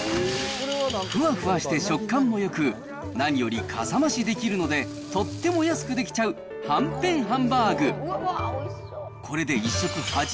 ふわふわして食感もよく、何よりかさ増しできるので、とっても安く出来ちゃう、はんぺんハンバーグ。